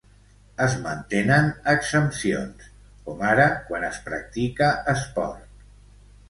Es mantenen exempcions, com ara quan es practica esport.